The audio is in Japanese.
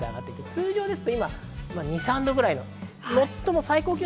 通常ですと今２３度ぐらいです。